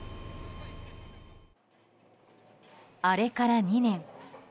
あれから２年。